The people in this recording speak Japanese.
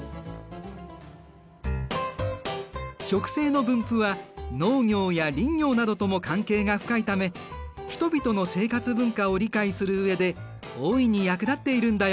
植生の分布は農業や林業などとも関係が深いため人々の生活文化を理解する上で大いに役立っているんだよ。